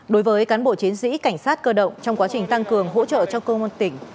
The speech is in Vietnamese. đối với cán bộ chiến sĩ cảnh sát cơ động trong quá trình tăng cường hỗ trợ cho công an tỉnh